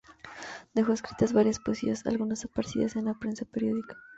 Dejó escritas varias poesías, algunas aparecidas en la prensa periódica.